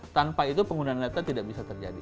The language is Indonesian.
tanpa itu penggunaan data tidak bisa terjadi